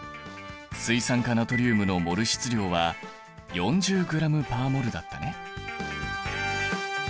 水酸化ナトリウムのモル質量は４０ｇ／ｍｏｌだったね。